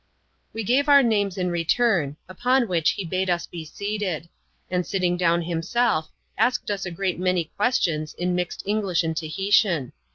We gave our names in return ; upon which he bade us be seated.; and sitting down himself, asked us a great many ques tions, in mixed English and Tahitian.